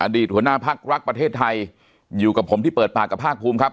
หัวหน้าพักรักประเทศไทยอยู่กับผมที่เปิดปากกับภาคภูมิครับ